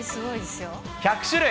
１００種類。